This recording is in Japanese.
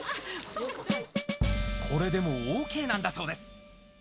これでもＯＫなんだそうです。